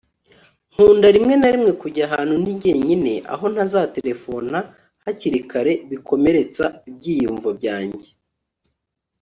nkunda rimwe na rimwe kujya ahantu ndi jyenyine aho ntazaterefona hakiri kare bikomeretsa ibyiyumvo byanjye